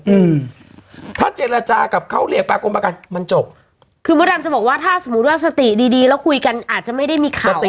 อืมถ้าเจรจากับเขาเรียกปากรมประกันมันจบคือมดดำจะบอกว่าถ้าสมมุติว่าสติดีดีแล้วคุยกันอาจจะไม่ได้มีข่าวติด